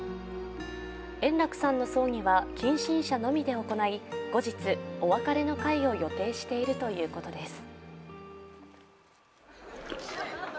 円楽さんの葬儀は、近親者のみで行い、後日、お別れの会を予定しているということです。